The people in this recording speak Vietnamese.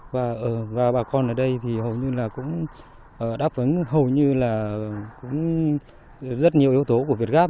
và bà con ở đây thì hầu như là cũng đáp ứng hầu như là cũng rất nhiều yếu tố của việt gáp